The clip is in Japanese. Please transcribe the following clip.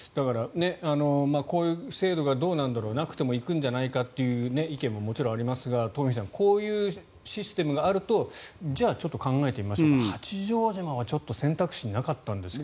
こういう制度がどうなんだろうなくても行くんじゃないかという意見もありますがトンフィさんこういうシステムがあるとじゃあちょっと考えてみましょう八丈島はちょっと選択肢になかったんですが。